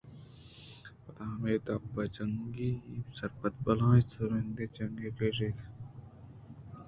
پدا ہمے دپ جنگی ءَ سر پہ بلاہین ءُ تُرٛندیں جنگے ءَ کشّ اِت